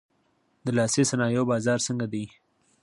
د لاسي صنایعو بازار څنګه دی؟